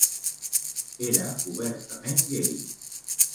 Era obertament gai.